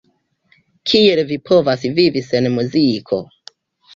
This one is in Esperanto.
Kiel vi povas vivi sen muziko?